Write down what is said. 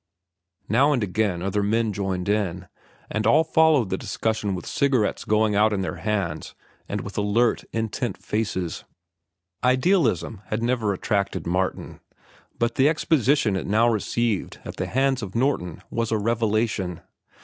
Now and again other men joined in, and all followed the discussion with cigarettes going out in their hands and with alert, intent faces. Idealism had never attracted Martin, but the exposition it now received at the hands of Norton was a revelation.